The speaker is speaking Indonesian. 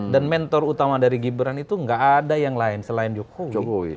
dan mentor utama dari gibran itu nggak ada yang lain selain jokowi